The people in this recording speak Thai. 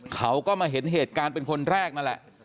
เขาก็มาเห็นเหตุการณ์เป็นคนแรกนั่นแหละ